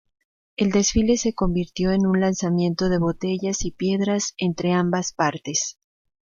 El desfile se convirtió en un lanzamiento de botellas y piedras entre ambas partes.